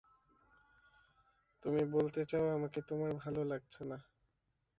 তুমি বলতে চাও, আমাকে তোমার ভালো লাগছে না।